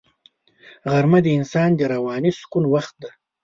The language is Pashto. غرمه د انسان د رواني سکون وخت دی